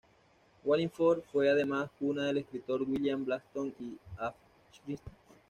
Wallingford fue además cuna del escritor William Blackstone y Agatha Christie.